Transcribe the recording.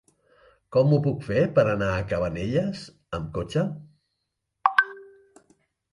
Com ho puc fer per anar a Cabanelles amb cotxe?